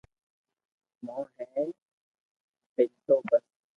مون ھي پينتو بس